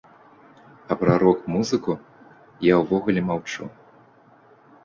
А пра рок-музыку я ўвогуле маўчу.